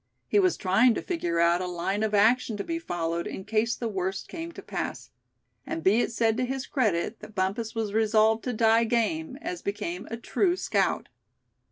He was trying to figure out a line of action to be followed in case the worst came to pass; and be it said to his credit that Bumpus was resolved to die game, as became a true scout.